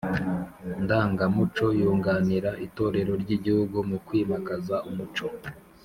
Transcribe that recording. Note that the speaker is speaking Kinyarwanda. ndangamuco yunganira itorero ry’igihugu mu kwimakaza umuco